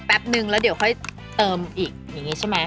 นึงแล้วเดี๋ยวค่อยเติมอีกอย่างนี้ใช่ไหม